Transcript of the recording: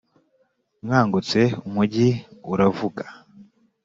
nkangutse, umujyi uravuga.